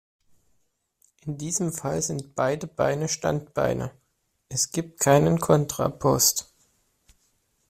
In diesem Fall sind beide Beine Standbeine, es gibt keinen Kontrapost.